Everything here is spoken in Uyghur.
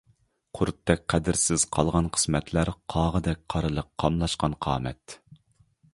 قۇرتتەك قەدىرسىز قالغان قىسمەتلەر، قاغىدەك قارىلىق قاملاشقان قامەت.